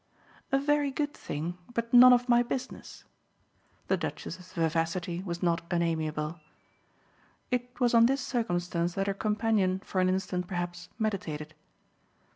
"A very good thing, but none of my business?" the Duchess's vivacity was not unamiable. It was on this circumstance that her companion for an instant perhaps meditated.